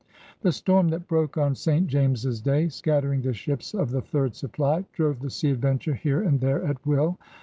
The storm that broke on St. James's Day, scattering the ships of the third supply, drove the Sea Adventure here and there at will.